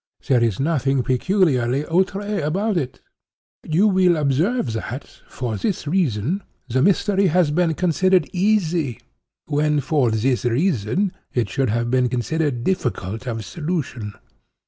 There is nothing peculiarly outré about it. You will observe that, for this reason, the mystery has been considered easy, when, for this reason, it should have been considered difficult, of solution.